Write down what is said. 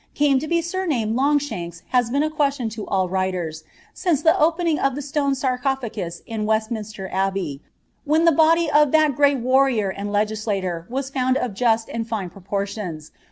came to be •«■ named Longahaaks has been a question to all writers, since the opmiif of th« stone sareophagua in Westminster Abbey, when the body o( i*« great warrior and legislator was found of just and fine propoflions.